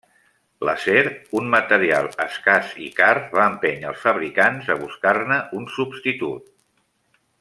L'acer, un material escàs i car, va empènyer els fabricants a buscar-ne un substitut.